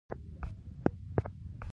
پیاز د وجود ګرمښت کموي